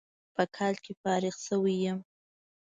په کال کې فارغ شوى يم.